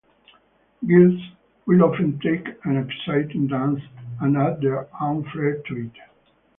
Guilds will often take an existing dance and add their own flare to it.